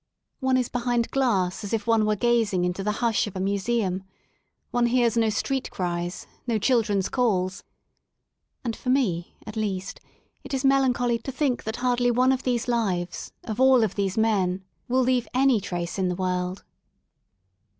One is behind glass as if one were gazing into the hush of a museum; one hears no street cries, no children's calls. And for me at least it is melancholy to think that hardly one of all these lives, of all these men, will leaveany trace in the world.